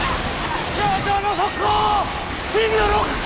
気象庁の速報震度６強！